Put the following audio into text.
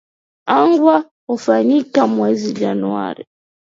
angwa kufanyika mwezi januari